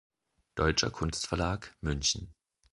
Deutscher Kunstverlag, München